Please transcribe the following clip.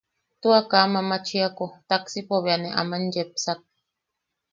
Tua kaa mamachiako taxipo bea ne aman yepsak.